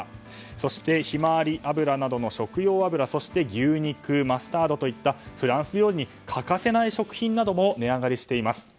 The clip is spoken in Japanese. そして、ヒマワリ油などの食用油そして牛肉、マスタードといったフランス料理に欠かせない食品も値上がりしています。